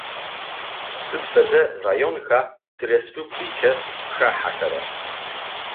Сыд фэдэ районха тиреспубликэ хахьэхэрэр?